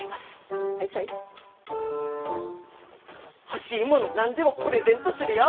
欲しいもの何でもプレゼントするよ！